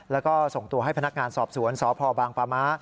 แล้วก็ส่งตัวให้พนักงานสอบสวนสพบางปาม้า